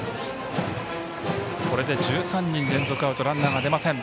１３人連続アウトとランナーが出ません。